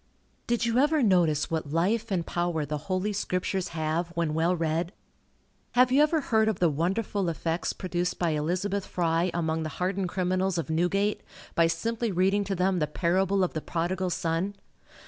Did you ever notice what life and power the Holy Scriptures have, when well read? Have you ever heard of the wonderful effects produced by Elizabeth Fry among the hardened criminals of Newgate, by simply reading to them the parable of the Prodigal Son?